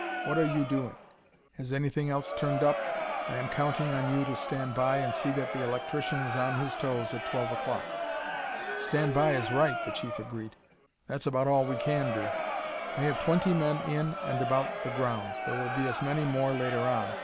What are you doing? Has anything else turned up? I am counting on you to stand by and see that that electrician is on his toes at twelve o'clock." "Stand by is right," the Chief agreed; "that's about all we can do. I have twenty men in and about the grounds there will be as many more later on.